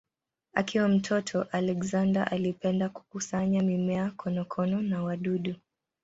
Akiwa mtoto Alexander alipenda kukusanya mimea, konokono na wadudu.